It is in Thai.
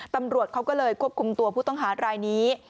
ตำรวจเขาก็เลยควบคุมตัวผู้ต้องหารายนี้